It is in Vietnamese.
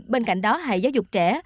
bên cạnh đó hãy giáo dục trẻ